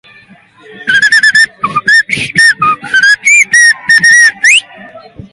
Hegoaldeko muturrean kokatzen da eta herrialdeko eskualderik handiena da.